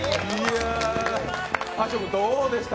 大昇君、どうでした？